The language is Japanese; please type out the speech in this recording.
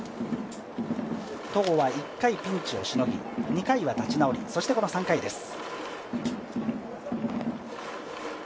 戸郷は１回ピンチをしのぎ、２回は立ち直り、そしてこの３回です